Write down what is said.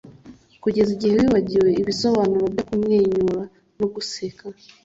kugeza igihe wibagiwe ibisobanuro byo kumwenyura no guseka